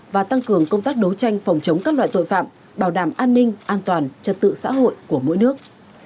và tăng cường công tác đấu tranh phòng chống các loại tội phạm bảo đảm an ninh an toàn trật tự xã hội của mỗi nước